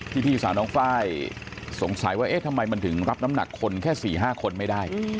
พี่สาวน้องไฟล์สงสัยว่าเอ๊ะทำไมมันถึงรับน้ำหนักคนแค่๔๕คนไม่ได้